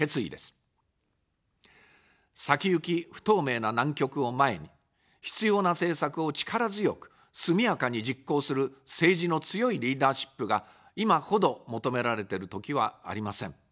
先行き不透明な難局を前に、必要な政策を力強く、速やかに実行する政治の強いリーダーシップが、今ほど求められてる時はありません。